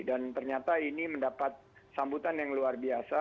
dan ternyata ini mendapat sambutan yang luar biasa